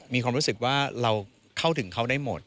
มีความรู้สึกว่าเราเข้าถึงเขาได้หมด